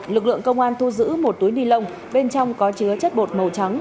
lực lượng công an thu giữ một túi nilon bên trong có chứa chất bột màu trắng